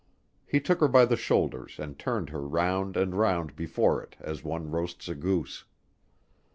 He took her by the shoulders and turned her round and round before it as one roasts a goose.